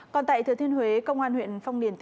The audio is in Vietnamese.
còn tại thừa thiên huế công an huyện phong điền